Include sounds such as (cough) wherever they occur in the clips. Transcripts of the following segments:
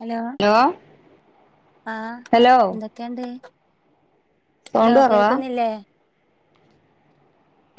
Hello hello ആഹ് hello എന്തൊക്കെണ്ട് low sound കുറവാ കേൾക്കുന്നില്ലേ?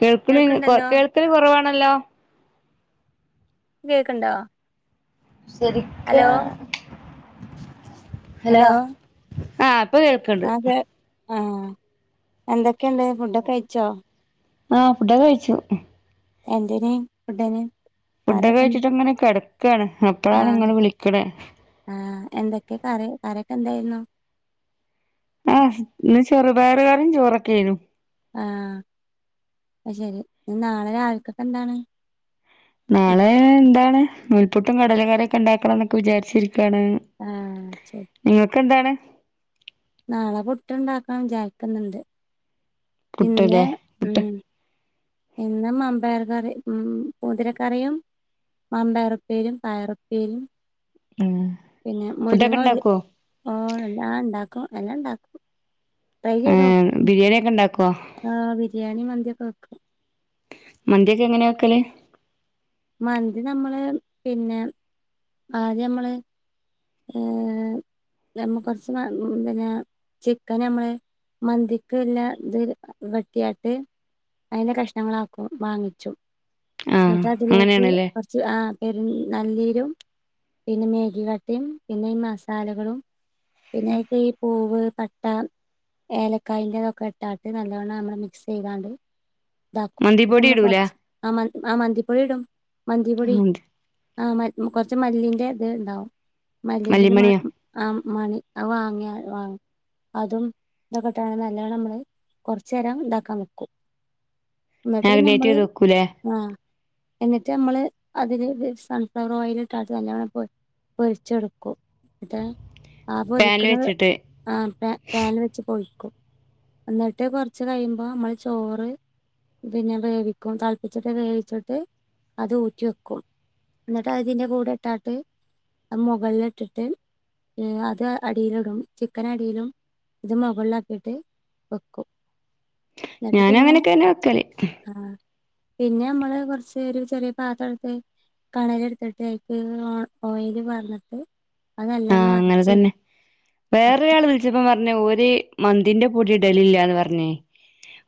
കേൾക്കണ് കേൾക്ക്ണ്ടല്ലോ കേൾക്കല് കൊറവാണല്ലോ കേക്ക്ണ്ടോ സെരിക്ക് ഹലോ ആഹ് കേൾക്കണ്ട് അതെ ആഹ് എന്തൊക്കെണ്ട് ഫുഡൊക്കെ കയിച്ചോ? ആഹ് ഫുഡൊക്കെ കഴിച്ചു എന്തേനി ഫുഡിന്? ഫുഡൊക്കെ കറിയൊക്കെന്താ കഴിച്ചിട്ട് ഇങ്ങനെ കെടക്കാണ് അപ്പഴാണ് ആഹ് ഇങ്ങള് വിളിക്കണെ ആഹ് എന്തൊക്കെ കറി കറിയൊക്കെ എന്തായിരുന്നു ആഹ് ഇന്ന് ചെറുപയറ് കറിം ചോറൊക്കെയ്നു ആഹ് അയ് ശരി നാളെ രാവിൽക്കൊക്കെ എന്താണ്? നാളെ എന്താണ് നൂൽപ്പുട്ടും കടല കറിയൊക്കെ ഇണ്ടാക്കണന്നൊക്കെ വിചാരിച്ചിരിക്കാണ് ആഹ് ശരി ഇങ്ങക്കെന്താണ്? നാളെ പുട്ടുണ്ടാക്കാൻ വിചാരിക്ക്ന്ന്‌ണ്ട് പുട്ടല്ലേ പിന്നെ പുട്ട് ഉം ഇന്ന് മമ്പയർ കറി ഉം മുതിരക്കറിയും മമ്പയറുപ്പേരിം പയറുപ്പേരിം ഉം പിന്നെ ഫുഡൊക്കെ മുരിങ്ങ ഒര് ഉണ്ടാക്കുവോ ഓഹ് എല്ലാം ഇണ്ടാക്കും എല്ലണ്ടാക്കും ട്രൈ ചെയ്തോ ബിരിയേണി ക്കെ ഉണ്ടാക്കോ? ആഹ് ബിരിയാണി മന്ത്യക്കെ വെക്കും മന്ത്യക്കെ എങ്ങനെ വെക്കല്? മന്തി നമ്മള് പിന്നെ ആദ്യ മ്മള് ഏ നമ്മ കൊറച്ച് പിന്നെ ചിക്കൻ നമ്മള് മന്തിക്ക്ള്ള ഇത് വെട്ടിയാട്ട് അയിന്റെ കഷണങ്ങളാക്കും വാങ്ങിച്ചു ആഹ് എന്നിട്ട അതിലേ ക്ക് അങ്ങനെയാണല്ലേ കൊർച് ആ പെര് നല്ലീരും പിന്നെ മേഗി കട്ടിം പിന്നെ ഈ മസാലകളും പിന്നയ്ക്ക് ഈ പൂവ് പട്ട ഏലക്കായൻ്റെതൊക്കെ ഇട്ടാണ്ട് നല്ലവണ്ണം നമ്മൾ മിക്സ് ചെയ്താണ്ട് ഇതാക്കും മന്തിപ്പൊടി നമ്മ ഇടൂല കുറച്ച് ആ മ ആ മന്തിപ്പൊടി ഇടും മന്തിപൊടി ആഹ കൊറച്ച് മല്ലിന്റെ ഇത് ഇണ്ടാവും മല്ലിന്റെത് മ മല്ലിമണിയോ ആ മണി അത് വാങ്ങിയ വാങ്ങ അതും ഇതൊക്കെ ഇട്ട്ങ്ങാണ്ട് നല്ലണം നമ്മള് കുറച്ചു നേരം ഇതാക്കാൻ വെക്കും ന്നട്ട് പിന്നെ മാഗ്നേറ്റ് നമ്മള് ചെയ്ത് വെക്കൂലേ ആ എന്നിട്ട് നമ്മള് അതില് സൺഫ്ലവർ ഓയിൽ ഇട്ട നല്ലോണം പൊ പൊരിച്ചെടുക്കും ഇത ആ പാനിൽ പൊരിക്ക് ണത് വെച്ചിട്ട് ആ പാന് വെച് ച് പൊരിക്കും ന്നട്ട് കൊർച്ച് കഴിയുമ്പോ നമ്മൾ ചോറ് പിന്നെ വേവിക്കും തളപ്പിച്ചിട്ട് വേവിച്ചിട്ട് അത് ഊറ്റി വെക്കും എന്നിട്ട് അതിന്റെ കൂടെ ഇട്ടാട്ട് മൊകളിലിട്ടിട്ട് ഏ അത് അടീലിടും ചിക്കൻ അടീലും ഇത് മൊകളിലാക്കീട്ട് വെക്കും എന്നിട്ട് ഞാന് പിന്നെ അങ്ങനൊക്കെ തന്നെ വെക്കല് ആ പിന്നെ നമ്മള് കുറച്ച് ഒരു ചെറിയ പാത്രടുത്ത് കണല് ഇട്ത്ട്ട് അയ്ക്ക് ഓയല് പാർന്നട്ട് ആഹ് അതല്ലണം അടച്ച് പ്പ പറഞ്ഞ ഓര് മന്തിന്റെ പൊടി ഇടലി ല്ലാന്ന് പറഞ്ഞേ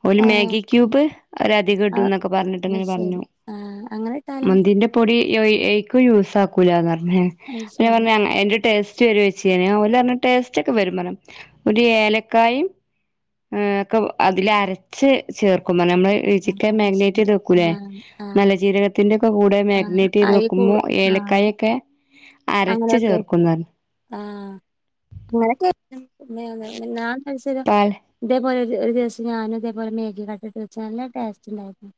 ഒരു ഏ മാഗി ക്യൂബ് ഒരധികം ഇടും അത് എന്നൊക്കെ പറഞ്ഞിട്ട് അങ്ങനെ ശരി പറഞ്ഞു ആ അങ്ങനെ ഇട്ടാലും മന്തിന്റെ പൊടി യൂസാക്കുലാന്ന് പറഞ്ഞ അത് ഞാ ശരി പറ ഞ്ഞ്എന്റെ ടേസ്റ്റ് വരുംപറഞ്ഞ ടേസ്റ്റ് ഒക്കെ വരും പറ ഒരു ഏലക്കായും ഒക്കെ അതിൽ അരച്ച് ചേർക്കും നമ്മള് ആഹ് ച്ചിക്കൻ അത് മാഗ്‌നേറ്റ് ശരി ചെയ്ത് വെക്കൂല്ലേ ആഹ് ആഹ് നല്ല ജീരകത്തിന്റെ ഒക്കെ കൂടെ ആഹ് മാഗ്‌നേറ്റ് ചെയ്ത് അയി കൂ വെക്കുമ്പോ ആഹ് ഏലക്കായെ ക്കെ അങ്ങനെയൊക്കെ ആ അങ്ങൊക്കെ ത്സം പാൽ ഇതേപോലെ ഒരു ദിവസം ഞാനും ഇതേപോലെ മാഗി കട്ട ഇട്ട് വെച്ച് വല്ല ടേസ്റ്റ് ഉണ്ടായിരുന്നു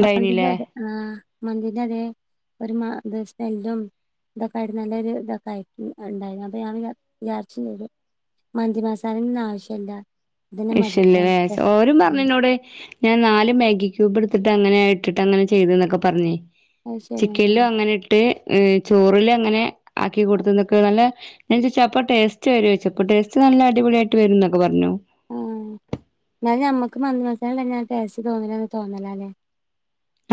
മന്തി അതെ ആ മന്തില അതെ ഒരു മ ദി സ്മല്ലും ഇതൊക്കെ ആയിട്ട് നല്ലൊരു ഇതൊക്കെ ആയി ഉണ്ടായിരുന്നു അപ്പൊ ഞൻ വിചാരിച്ചുംചെയ്ത് മന്തിമസാലന്നും ആവശ്യല്ല ഇതന്നെ മതിയല്ലോ ശ്യല്ലല്ലേ എന്നൊക്കെ. ഓരും ഉം പറഞ്ഞുന്നോടെ ഞാൻ നാല് മാഗി ക്യൂബ് എടുത്തിട്ട് അങ്ങനെ ഇട്ട് അങ്ങനെ ചെയ്ത എന്നൊക്കെ പറഞ്ഞേ അത് ചിക്കനിലോ ശരിയാണ് അങ്ങനെ ഇട്ട് ചോറിലു അങ്ങനെ ആക്കി കൊടുത്തതൊക്കെ നല്ല ചപ്പ ടേസ്റ്റ് വരോ ചപ്പ ടേസ്റ്റ് നല്ല അടിപൊളിയായിട്ട് വരും എന്നൊക്കെ പറഞ്ഞു ആഹ എന്നാല മ്മക്ക് മന്ത് മസാല തന്നെ ടേസ്റ്റ് തോന്നില്ലന്ന് തോന്നല അല്ലേ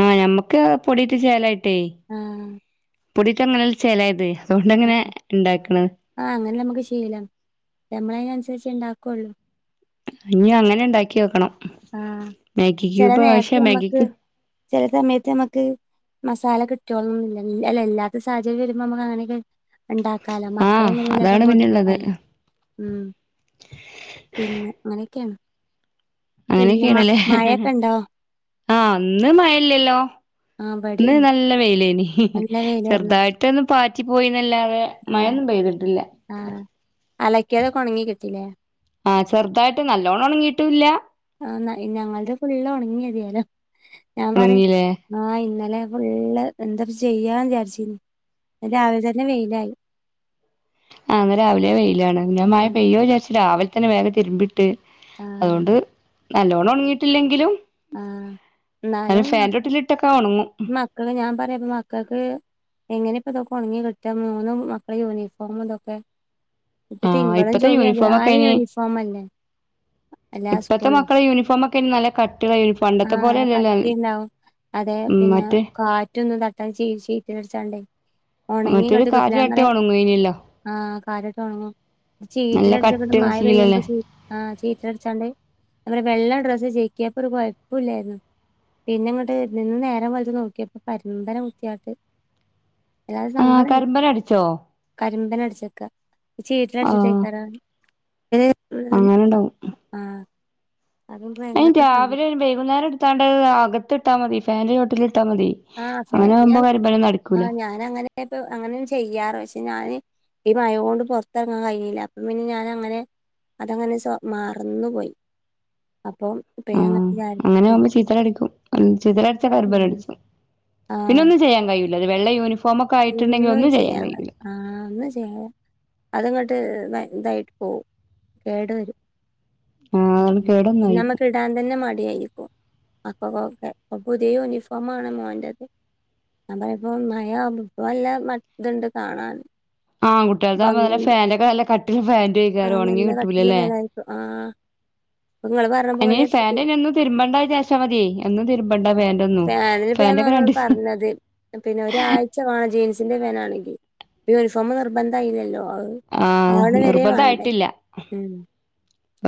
ആഹ് ഞമ്മക്ക് പൊടിട്ട് ചേലായിട്ടേ ആഹ് പൊടിട്ട അങ്ങനെ ചേലായത് അതോണ്ട് ആഹ് എങ്ങനെ ഉണ്ടാക്കണ് ആഹ് അങ്ങനെ നമുക്ക് ശീലം നമ്മള അതിനനുസരിച്ച് ഉണ്ടാക്കുള്ളൂ ഇഞ്ഞി അങ്ങനെ ഉണ്ടാക്കി നോക്കണം ആഹ് മാഗി ചെല ക്യൂബ് നേരത്ത് ആവശ്യ മാഗി നമ്മക്ക് ക്യൂ ചെല സമയത്ത് നമക്ക് മസാല കിട്ട്യോൾ ന്നൊന്നുല്ലാ വി എല്ല ല്ലാത്ത സാഹചര്യരുമ്പോ മക്ക് അങ്ങനെക്കെ ഉണ്ടാക്കാലോ മക്കളെ ആഹ് എങ്ങനെലൊക്കെ അതാണ് പിന്നെള്ളത് ബോധിപ്പിക്കാലോ ഉം പിന്നെ അങ്ങനെയൊക്കെണ് അങ്ങനെയക്കെയ ആണല്ലേ മഴയൊക്കെ ഇണ്ടോ ആഹ് ഒന്നും മയല്ലല്ലോ ആഹ് ഇന്ന് ഇവിടില്ല നല്ല വെയിലേനി നല്ല വെയിലായിരുന്നു ചെറുതായിട്ട് ഇറ്റൊന്നും പാറ്റി പോയിന്നല്ലാതെ ആഹ് മയൊന്നും പെയ്തിട്ടില്ല ആഹ് അലക്കിയാതെക്കെണങ്ങി കിട്ടില്ലേ ആഹ് ചെർതായിട്ട് നല്ലോണ്ണം ഉണങ്ങിയിട്ടൂല്ല ആഹ് ഞങ്ങൾടെ ഫുള്ള് ഉണങ്ങിതിയാലോ ഞാൻ പറിം ഉണങ്ങില്ലേ ആഹ് ഇന്നലെ ഫുള്ള് എന്താ ചെയ്യാന്ന് വിചാരിച്ചിന്ന് അ രാവിലെ തന്നെ വെയിലായി ആഹ് രാവിലെ പെയിലാണ് ഞ മ ആ പെയ്യോ വിചാരിച്ച് രാവിലെ തന്നെ വേഗ തിര്മ്പി ആ അതുകൊണ്ട് നല്ലോണം ഉങ്ങിട്ടില്ലെങ്കിലും ആ അത് എന്നാലും മക്ക ഫാൻൊട്ടില ഇട്ടൊക്കെ ഉണങ്ങും മക്കള് ഞാൻ പറയാംപ്പൊ മക്കക്ക് എങ്ങനെ ഇപ്പ ഇതൊക്കെ ഉണങ്ങി കിട്ടാ മൂന്ന് മക്കളെ യൂണിഫോം ഇതൊക്കെ ഇപ്പ ആഹ് തിങ്കളും ഇപ്പത്തെ ചൊവ്വി എതാലും യൂണിഫോം അല്ലേ എല്ലാ ഇപ്പഴത്തെ സ്കൂളിലും മക്കള യൂണിഫോം ഒക്കെ നല്ല കട്ടുള്ള യൂണിഫോ ആഹ് കട്ടിണ്ടാവും അതെ ഉം പിന്നെ മറ്റേ കാറ്റൊന്നും തട്ട ച ചീറ്റിടച്ചാണ്ടേ മറ്റേത് ഉണങ്ങിങ്ങട്ട് കാറ്റ് കിട്ടില്ല തട്ടിയാ പറയാ ഒണങ്ങേനിയല്ലോ ആഹ് കാലോട്ട് ഉണങ്ങും ചീറ്റി നല്ല അടിച്ചക്കണ്ട് കട്ടിയുള്ള മഴ പെയ്യുമ്പോ ശീലല്ലേ ആഹ് ചീറ്റില അടിച്ചാണ്ട് നമ്മ വെള്ള ഡ്രസ്സ് കിട്ടിയപ്പോ ഒരുകൊയപ്പലായിരുന്നു പിന്നെ ഇങ്ങട്ട് നിന്ന് നേരം വലുതു നോക്കിയപ്പോ പരിമ്പര കുത്തിയട്ട് ആ കരിമ്പന അടിച്ചോ കരിമ്പന അടിച്ചേക്ക ചീറ്റല അടിച്ചിട്ട്ക്കാറാണ് അഹ് അങ്ങനെണ്ടാവും ആഹ് അതുകൊണ്ട് അയ്‌ന് ഭയങ്കര സങ്കടം രാവിലെ വൈകുന്നേരം ഇട്ത്താണ്ട് അകത്ത് ഇട്ടാ മതി ഫാൻ ന്റെ ചോട്ടിൽ ഇട്ടാ മതി. അങ്ങനെ ആകുമ്പോ കരിമ്പനൊന്നും അടികൂല. (unintelligible) പക്ഷേ ഞാന് ഈ മയൊണ്ട് പൊറത്തിറങ്ങാൻ കയ്യിണില്ല, അപ്പം പിന്നെ ഞാനങ്ങനെ അതങ്ങനെ സൊ മറന്നു പോയി അപ്പം. ഇപ്പ ആ ഞാൻ അങ്ങനെ അങ്ങനെ വിചാരിക്കേ ആകുമ്പോ ചീത്താൽ അടിക്കും. ചീത്താൽ അടിച്ച കരിമ്പന ഉം അടിച്ചും. പിന്നെ ആഹ് ഒന്നും ചെയ്യാൻ കഴിയൂല. വെള്ള യൂണിഫോം ഒക്കെ ആയിട്ടുണ്ടെങ്കിൽ ഒന്നും ചെയ്യാൻ കഴിയൂല. ആഹ് ഒന്ന് ചെയ്യ അതങ്ങോട്ട് ഇതായിട്ട് പോകവും കേടു വരും ആഹ് ഉം കേടൊന്നായി നമ്മക്ക് ഇടാൻ തന്നെ മടിയായിരിക്കും അക്കക്കെ പുതിയ യൂണിഫോ ആണ് മോന്റെത് (unintelligible) കാണാ ആഹ്, കുട്ട്യേളതാവുമ്പോ നല്ല ഫാന്റെ ഒക്കെ നല്ല കട്ടിള്ള ഫാന്റ അയ്കാരം ഒണങ്ങി കിട്ടൂലല്ലേ. ആഹ് അയ്ന്‌ ഫാന്റ് അയ്‌ന് എന്നും തിരുമ്പണ്ട വിചാരിച്ച മതിയേ എന്നും തിരുമ്പണ്ട. ഫാന്റൊന്നും ഫാന്റൊക്കെ അയന്നെപ്പന്നോനോട് രണ്ടീസം പറഞ്ഞത് പിന്നെ ഒരാഴ് മാണ് ജീൻസിന്റെ ഫാൻറ് ആണെങ്കി യൂണിഫോം നിർബന്ധയില്ലല്ലോ. ആഹ് നിർബനധായിട്ടില് ഉം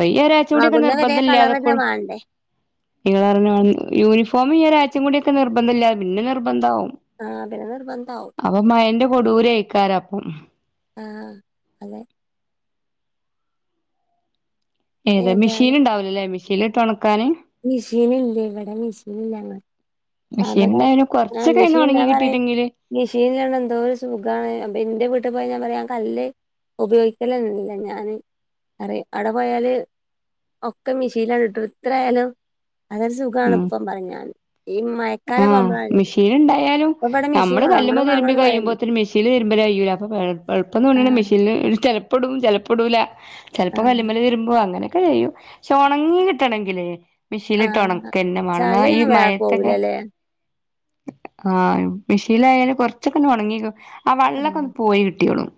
ഓഇഒര് കുറച്ചൂടി ഒക്കെ ആകുന്ന വരെ നിർബന്ധല്ലാ കളർ തന്നെ തൊക്കോള്ളു വേണ്ടേ ഇങ്ങള് പറഞ്ഞ മായിരി യൂണിഫോം ഈ ഒരാഴ്ചേമ് കൂടക്കെ നിർബന്ധല്ലാ. പിന്നെ നിർബന്ധവും. ആഹ് പിന്നെ നിർബന്ധവും. അപ്പൊ മയന്റെ കൊടൂരെയിക്കാരം അപ്പം. ആഹ് ഏതാ മെഷീൻ ഏതായാലും ഉണ്ടാവൂലല്ലേ മെഷീനിലിട്ട് ഉണക്കാന്. മിഷീനില്ലേയ്യ് ഇവിടെ മെഷീനില്ല. ആഹ് മെഷീൻ ഇബടെ ഉണ്ടായാലും ആഹ് കൊറച്ചൊക്കെ അയ്ന്ന് മിഷീന് ഒണങ്ങി ഇണ്ടാവാനെങ്കി കിട്ടിയിട്ടെങ്കില് മിഷീനിലാണ്ങ്കി ന്തോരു സുഖാണ്. അപ്പൊ ഇന്റെ വീട്ടിൽ പോയാ ഞാൻ പറിം. ആ കല്ല് ഉപയോഗിക്കലന്നല്ല ഞാന് പറിം അടെ പോയാല്. ഒക്കെ മിഷീനിലങ്ട്ട് ഇട്ടോടു ഇത്രയാലും അതൊരു സുഖാണ് ഉം പ്പം പ റിം ഞാന്. ഈ മഴ ആഹ് മിഷീൻ ണ്ടായാലും. മെഷീൻ നമ്മള് കല്ല്മ്മെ വാങ്ങണം തിരുമ്പി വാങ്ങണംന്ന് പറയണ്ട്. കഴിയുമ്പോത്തിനു മിഷീനില് തിരുമ്പല് കഴിയൂല. അപ്പ പ്പ എ എൾപ്പം തോന്നണു ആഹ് മെഷീനില് ചെല പ്പടും ചെലപ്പോ ഇടൂല. ചെലപ്പോ ആഹ് കല്ലുമ്മല് തിരുമ്പും അങ്ങനെ ഒക്കെ ചെയ്യും. ക്ഷെ ഒണങ്ങി കിട്ടണങ്കില് മിഷീനിലിട്ട് ആഹ് ഒണക്കന്നെ മാണം. എന്ന ഈ ചളിയൊന്നും വേറെ മയത്തൊക്കെ. പോവൂലല്ലേ? ആഹ്, മിഷീനിലയല് കൊറച്ചൊക്കെ ഒന്ന് ഉണങ്ങി ആ ആഹ് വള്ളൊക്കന്ന് പോയി കിട്ടിയോളും.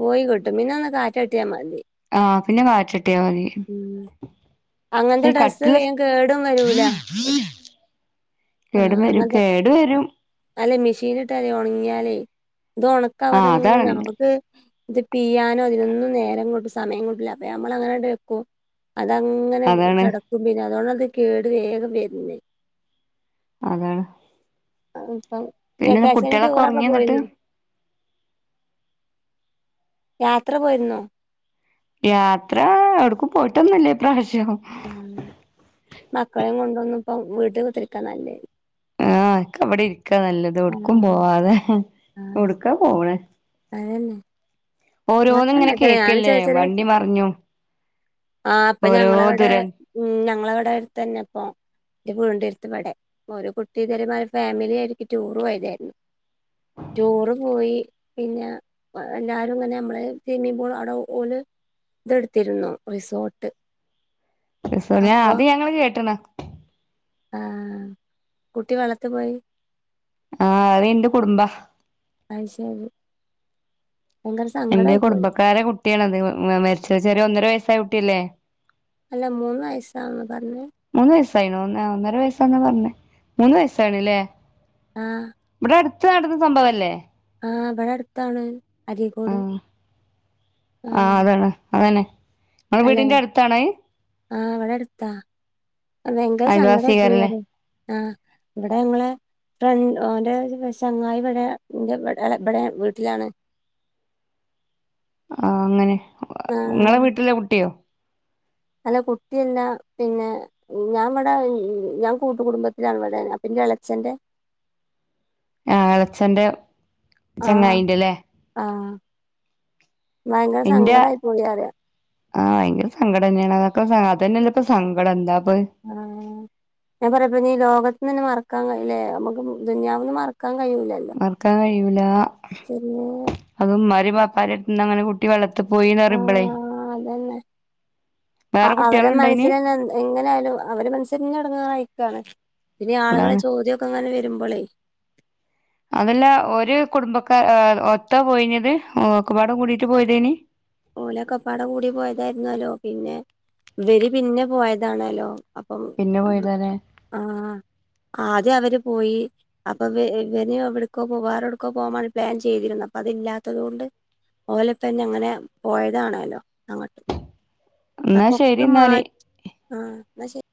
പോയി കിട്ടും പിന്നെ ഒന്ന് കാറ്റട്ടിയാ മതി. ആഹ് പിന്നെ കാറ്റട്ടിയാ മതി. ഉം, അങ്ങനത്തെ ഡ്രസ്സ് വേം കേടും വരൂല. (inaudible) കേട്‌ വരും കേടു വരും. അല്ലെ മെഷീലിട്ടാലെ ഒണങ്ങിയാലേ ഇത് ആഹ് ഉണക്കാവതെങ്ങനെ അതാണ് പിന്നെ നമ്മക്ക് ഇത് പിയ്യാനോ ഇതിനൊന്നും നേരം കിട്ട് സമയം കിട്ടൂല്ല അപ്പൊ ഞമ്മള് അങ്ങനണ്ട്ക്കും അതങ്ങനെ അതാണ് കെടക്കും പിന്നെ അതുകൊണ്ടാത് കേട് വേഗം വര്ണത് അതാണ്. അപ്പം പിന്നെ വെക്കേഷന് കുട്ടികളൊക്കെ ടൂറൊക്കെ ഒറങ്ങിയോ ന്നിട്ട് പോയിന്നോ.? യാത്ര പോയിരുന്നോ? യാത്ര എവിടുക്കും പോയിട്ടൊന്നുല്ലാ ഈപ്രാവശ്യം. ആഹ് മക്കളേം കൊണ്ടൊന്നും ഇപ്പ വീട്ടി കുത്തിരിക്കാ നല്ലത്. ആഹ്. ഒക്കവിടെരിക്കാ നല്ലത് എ വ്ട്ക്കും ആഹ് പോവാതെ. ആഹ് എടുക്കാ പോണത് അതന്നെ ഞാനും ഓരോന്ന്ങ്ങനെ അങ്ങൻതന്നെ ഞാനും കേക്കല്ലേ ചെറിയ ചെറിയ വണ്ടി മറിഞ്ഞതും ആഹ് ഇപ്പം ഞങ്ങളവിടെ ദുരൻ ഉം ഞങ്ങളവിടെടുത്തന്നെ പ്പോ ന്റെ വീടിന്റെ എര്‌ത്ത്‌വടെ ഒരു കുട്ടി (unintelligible) ഫാമിലി ആയിട്ട് ടൂർ പോയതേര്ന്നു. റ്റൂറ് പോയി പിന്നെ. വ എല്ലാരും ങ്ങനെ നമ്മള് സ്വിമ്മിംഗ് പൂള് അവടേ ഓല് തെടുത്തിരുന്നു റിസോർട്ട്. അത് ശരി ആ അപ്പൊ അത് ഞങ്ങള് കേട്ട്ണ്. ആഹ്, കുട്ടി വളളത്തി പോയി ആഹ് അത് ഇന്റെ കുടുംബ അത് ശെരി എന്റെ പോയി കുടുംബക്കാരെ കുട്ടിയാണ് അത് മരിച്ചത് ചെറിയ ഒന്നര വയസ്സായ കുട്ടിയല്ലേ. അല്ല മൂന്ന് വയസ്സാന്ന പറഞ്ഞത് മൂന്ന് വയസായിണോ ഒ ഒന്നര വയസ്സാന്ന പറഞ്ഞേ. മൂന്ന് വയസ്സായിണ് ല്ലേ ആഹ് ഇവിടെ എര്ത്ത് നടന്ന സംഭവം അല്ലേ? ആഹ് ഇവിടെ അടുത്താണ്. അരീക്കോട്. ആഹ് ആഹ് ആഹ് അതനെ അല്ലെ ആഹ് ഇവിടെ അടുത്താ. അത്‌ ഭയങ്കര സങ്കടയി പോയി അയൽവാസിയേക്കാരല്ലേ പറിയ ആഹ്, ഇവിടെ ഞങ്ങളെ ഫ്രൻ ഓന്റെ ചങ്ങായി ഇവിടെ എന്റെ ഇവിടെ ഇബടെ വീട്ടിലാണ്. ആഹ് അങ്ങനെ ഇങ്ങളെ ആഹ് വീട്ടിലെ കുട്ടിയോ? അല്ല കുട്ടിയല്ല പിന്നെ ഞാൻ ഇവിടെ ഞാൻ കൂട്ടുകടുംബത്തിലാണ് ഇവിടെ അപ്പ എന്റെ എളച്ചന്റെ ആഹ് എളച്ചന്റെ ആഹ് ചങ്ങായിന്റെല്ലേ ആഹ്, ഭയങ്കര ഇന്റെ സങ്കടായി പോയി പറിയ ആഹ് ഭയങ്കര സങ്കടം തന്നെയാണ് അതൊക്കെ അതന്നെയല്ല ഇപ്പ സങ്കടം എന്താപ്പത് ആഹ് ഞാൻ പറിയെപ്പഞ്ഞ് ഈ ലോകത്ത്ന്നന്നെ മറക്കാൻ കഴിയലേ നമുക്ക് ദുനിയാവിന്ന് മറക്കാൻ കഴിയൂലല്ലേ മർ ക്കാൻ കയൂല അതും ഇമ്മാരെ വാപ്പാരെ എര് ഇന്ന് അങ്ങനെ കുട്ടി വെള്ളത്തി പോയിന്ന് പറയുമ്പളേ ആഹ് അതന്നെ വേറെ കുട്ടികളു ണ്ടയിന് എങ്ങനെയാലും അവരെ മനസ്സന്നെ എ ടങ്ങറായി ക്കാണ് പിന്നെ ആളുകളെ അതാണ് ചോദ്യ ക്കെ ഇ ങ്ങനെ വരുമ്പോളേ അതല്ല ഓര് കുടുംബക്കാർ ഒത്താ പോയിനെത് ഓക്കപാടെ കൂടിട്ട് പോയതേ ഓലക്കപ്പാടെ കൂടി പോയതായിര് ന്നലോ പിന്നെ ഇവര് പിന്നെ പോയതാണലോ അപ്പം പിന്നെ പോയതാല്ലേ ആ ആദ്യ അവര് പോയി അപ്പൊ ഇവന് എവിട് ക്കോ വേറെവിടക്കോ പോവാൻ പ്ലാൻ ചെയ്തിരുന്നു അപ്പൊ അതില്ലാത്തത് കൊണ്ട് ഓലെത ന്നെ അങ്ങനെ പോയതാണല്ലോ അങ്ങോട്ട് എന്നാ ശരി ന്നാാല് ആഹ ന്ന ശെരി